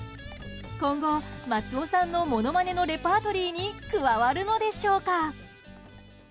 今後、松尾さんのものまねのレパートリーに加わるのでしょうか。